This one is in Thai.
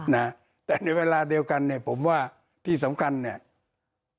นะแต่ในเวลาเดียวกันเนี่ยผมว่าที่สำคัญเนี่ย